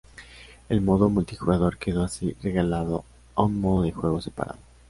El modo multijugador quedó así relegado a un modo de juego separado.